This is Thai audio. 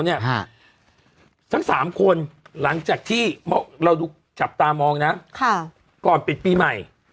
ทั้งสามคนหลังจากที่เราดูจับตามองนะก่อนปิดปีใหม่